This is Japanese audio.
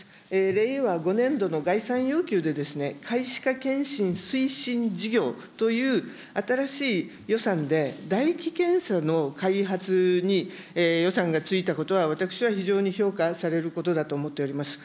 令和５年度の概算要求で、皆歯科健診推進事業という新しい予算で唾液検査の開発に予算がついたことは、私は非常に評価されることだと思っております。